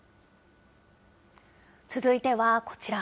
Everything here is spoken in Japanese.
続いてはこちら。